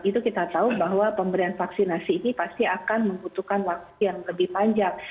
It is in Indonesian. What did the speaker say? itu kita tahu bahwa pemberian vaksinasi ini pasti akan membutuhkan waktu yang lebih panjang